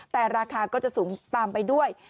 แต่ราคาก็จะสูงตามไปด้วย